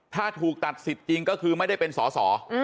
ถ้าถูกตัดสิทธิ์จริงก็คือไม่ได้เป็นสอสอ